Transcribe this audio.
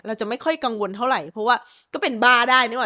เราจะไม่ค่อยกังวลเท่าไหร่เพราะว่าก็เป็นบ้าได้นึกว่า